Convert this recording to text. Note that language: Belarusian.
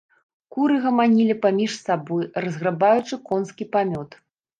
Куры гаманілі паміж сабою, разграбаючы конскі памёт.